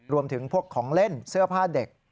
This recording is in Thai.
รวมถึงพวกของเล่นเสื้อผ้าเด็ก